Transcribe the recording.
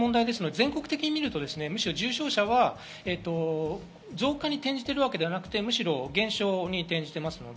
全国的に見ると重症者は増加に転じているわけではなく、むしろ減少に転じています。